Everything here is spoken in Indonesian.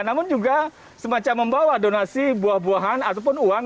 namun juga semacam membawa donasi buah buahan ataupun uang